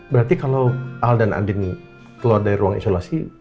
berarti kalau al dan andini keluar dari ruang isolasi